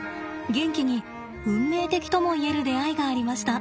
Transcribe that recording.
ゲンキに運命的とも言える出会いがありました。